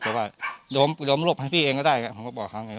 หรือว่าล้มลบให้พี่เองก็ได้ครับผมก็บอกเขาอย่างเงี้ย